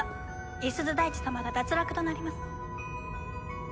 五十鈴大智様が脱落となります。